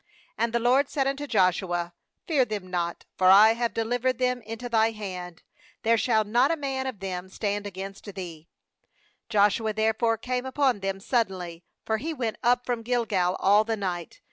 8And the LORD said unto Joshua: 'Fear them not; for I have delivered them into thy hand; there shall not a man of them stand against thee/ 9Joshua therefore came upon them suddenly; for he went up from Gilgal all the night.